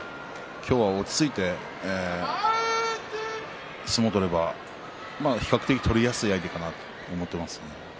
今日は落ち着いて相撲を取ればまあ比較的、取りやすい相手だなと思っています。